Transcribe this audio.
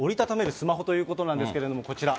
スマホということなんですけれども、こちら。